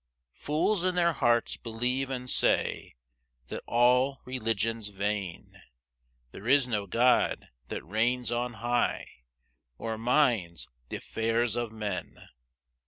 1 Fools in their hearts believe and say, "That all religion's vain, "There is no God that reigns on high, "Or minds th' affairs of men."